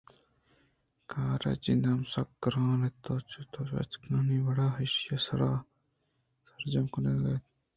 کار ءِ جند ہم سک گرٛان اِنت ءُتو چو بچکانی وڑا ایشی ءَ راسرجم کنگ ءَاِت